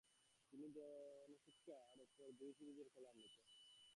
তিনি যৌনশিক্ষার উপর দুই সিরিজের কলাম লিখেন।